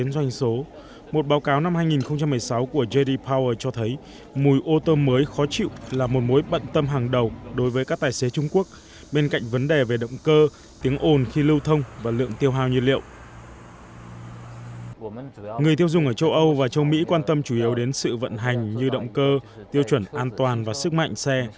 người tiêu dùng ở châu âu và châu mỹ quan tâm chủ yếu đến sự vận hành như động cơ tiêu chuẩn an toàn và sức mạnh xe